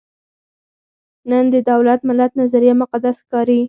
نن د دولت–ملت نظریه مقدس ښکاري.